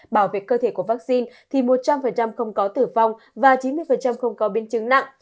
bảo vệ cơ thể của vaccine thì một trăm linh không có tử vong và chín mươi không có biến chứng nặng